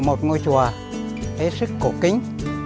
một ngôi chùa hết sức cổ kính